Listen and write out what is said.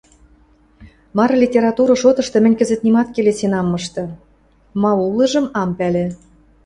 — Мары литература шотышты мӹнь кӹзӹт нимат келесен ам мышты, ма улыжым ам пӓлӹ.